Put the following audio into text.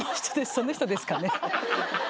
その人ですかね？